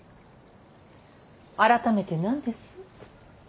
改めて何です？